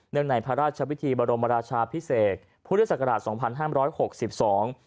ในพระราชพิธีบรมราชาพิเศษพุทธศักราชสองพันห้ามร้อยหกสิบสอง